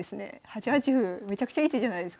８八歩めちゃくちゃいい手じゃないですか。